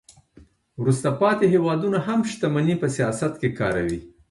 وروسته پاتې هیوادونه هم شتمني په سیاست کې کاروي